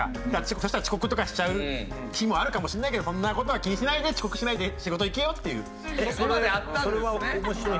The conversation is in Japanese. そしたら遅刻とかしちゃう日もあるかもしれないけどそんな事は気にしないで遅刻しないで仕事行けよっていう。